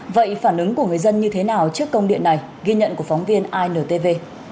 vậy phản ứng của người dân như thế nào trước công điện này ghi nhận của phóng viên intv